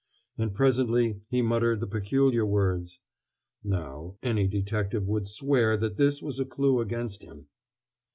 And presently he muttered the peculiar words: "Now, any detective would swear that this was a clew against him."